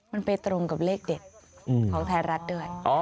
มันไปตรงกับเลขเด็ดของไทยรัฐด้วย